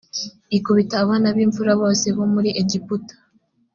ikubita abana b’imfura bose bo muri egiputa